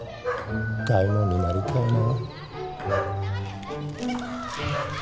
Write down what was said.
大門になりたいな。